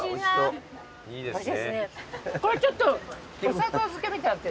これちょっとお砂糖漬けみたいに。